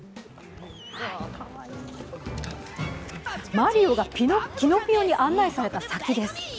マリオがキノピオに案内された先です。